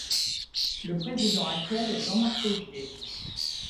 Le président actuel est Jean-Marc Ogier.